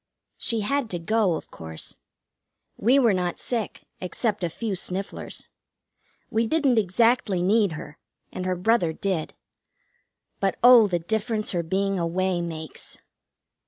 She had to go, of course. We were not sick, except a few snifflers. We didn't exactly need her, and her brother did; but oh the difference her being away makes!